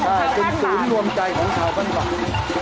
ใช่เป็นสุดรวมใจของชาวบ้านบาด